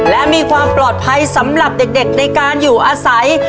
และมีความปลอดภัยสำหรับเด็กในการอยู่อาศัย